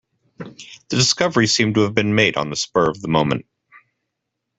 The discovery seemed to have been made on the spur of the moment.